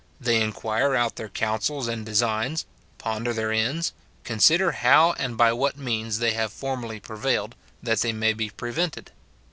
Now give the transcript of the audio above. They inquire out their counsels and designs, pon der their ends, consider how and by what means they have formerly prevailed, that they may be prevented.